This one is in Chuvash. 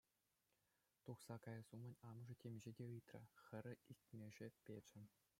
Тухса каяс умӗн амӑшӗ темиҫе те ыйтрӗ, хӗрӗ илтмӗше печӗ.